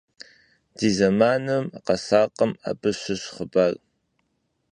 Ди зэманым къэсакъым абы щыщ хъыбар.